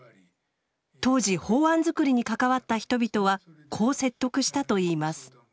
当時法案づくりに関わった人々はこう説得したといいます。